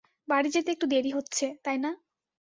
বাড়ি যেতে একটু দেরি হচ্ছে, তাই না?